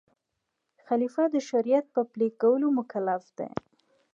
خلیفه د شریعت په پلي کولو مکلف دی.